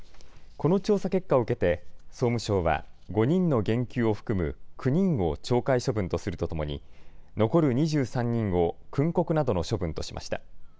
この調査結果を受けて総務省は５人の減給を含む９人を懲戒処分とするとともに残る２３人を訓告などの処分としました。